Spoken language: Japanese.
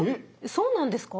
そうなんですか？